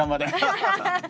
ハハハハ！